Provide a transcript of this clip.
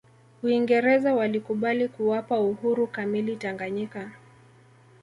uingereza walikubali kuwapa uhuru kamili tanganyika